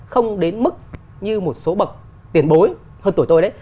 không đến mức như một số bậc tiền bối hơn tuổi tôi đấy